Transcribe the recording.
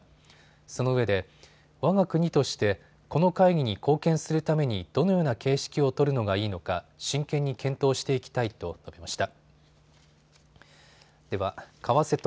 そのうえで、わが国としてこの会議に貢献するためにどのような形式を取るのがいいか真剣に検討していきたいと述べました。